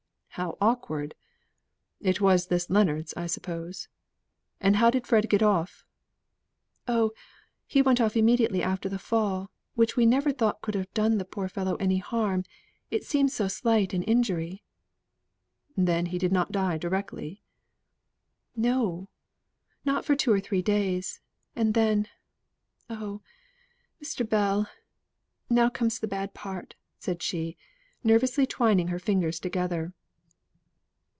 "How awkward. It was this Leonards, I suppose. And how did Fred get off?" "Oh! he went off immediately after the fall, which we never thought could have done the poor fellow any harm, it seemed so slight an injury." "Then he did not die directly?" "No! not for two or three days. And then oh, Mr. Bell! now comes the bad part," said she, nervously twining her fingers together.